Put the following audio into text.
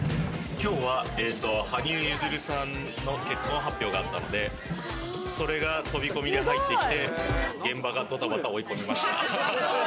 今日は羽生結弦さんの結婚発表があったんで、それが飛び込みで入ってきて、現場がドタバタ追い込まれました。